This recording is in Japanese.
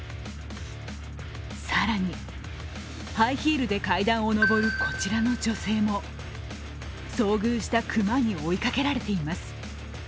更に、ハイヒールで階段を上るこちらの女性も遭遇した熊に追いかけられています。